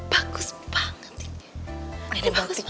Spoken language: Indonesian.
bagus banget ini